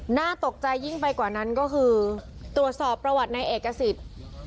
น่าตกใจยิ่งไปกว่านั้นก็คือตรวจสอบประวัติในเอกสิทธิ์